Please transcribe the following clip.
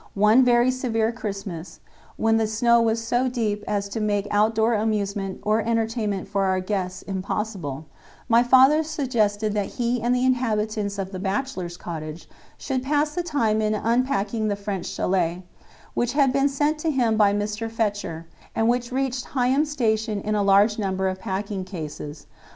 One very severe Christmas, when the snow was so deep as to make outdoor amusement or entertainment for our guests impossible, my father suggested that he and the inhabitants of the "bachelors' cottage" should pass the time in unpacking the French chalet, which had been sent to him by Mr. Fetcher, and which reached Higham Station in a large number of packing cases.